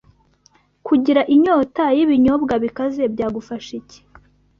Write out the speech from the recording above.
kugira inyota y’ibinyobwa bikaze byagufasha iki